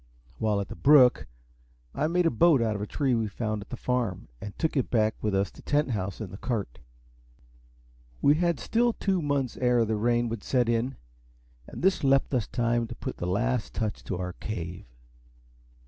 While at the brook, I made a boat out of the tree we found at the Farm, and took it back with us to Tent House in the cart. We had still two months ere the rain would set in, and this left us time to put the last touch to our cave.